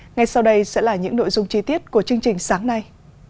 ngay sau đây sẽ là những nội dung chi tiết của chương trình sáng nay